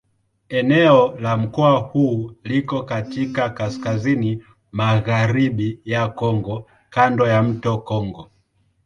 Eneo la mkoa huu liko katika kaskazini-magharibi ya Kongo kando ya mto Kongo.